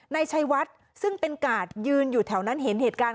นายชัยวัดซึ่งเป็นกาดยืนอยู่แถวนั้นเห็นเหตุการณ์